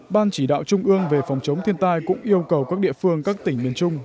ban chỉ đạo trung ương về phòng chống thiên tai cũng yêu cầu các địa phương các tỉnh miền trung